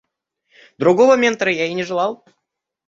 Другого ментора я и не желал.